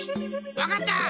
わかった！